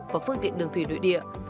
và phương tiện đường thủy nội địa